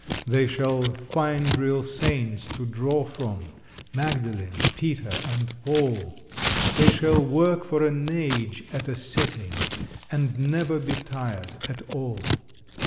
They shall find real saints to draw from Magdalene, Peter, and Paul; They shall work for an age at a sitting and never be tired at all!